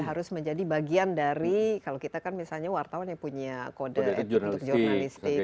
harus menjadi bagian dari kalau kita kan misalnya wartawan yang punya kode etik untuk jurnalistik